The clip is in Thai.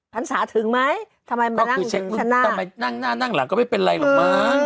รษาถึงไหมทำไมก็คือเช็คหน้าทำไมนั่งหน้านั่งหลังก็ไม่เป็นไรหรอกมั้ง